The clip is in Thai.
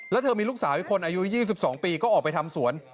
แล้วเธอมีลูกสาวเป็นคนอายุยี่สี่สิบสองปีก็ออกไปทำสวน